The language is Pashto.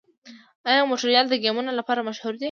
آیا مونټریال د ګیمونو لپاره مشهور نه دی؟